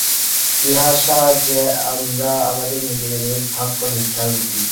ইহার সাহায্যে আমরা আমাদের নিজেদের ভাগ্য নির্ধারণ করি।